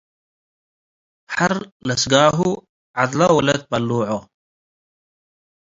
ሐር ለስጋሁ ዐድለ ወለት በልዕዎ ።